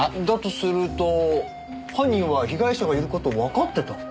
だとすると犯人は被害者がいる事をわかってた。